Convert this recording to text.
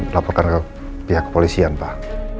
laporkan ke pihak kepolisian pak